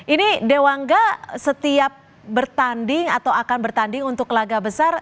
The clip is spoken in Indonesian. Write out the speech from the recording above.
ini dewangga setiap bertanding atau akan bertanding untuk laga besar